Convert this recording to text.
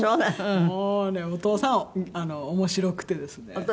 もうねお父さんは面白くてですね。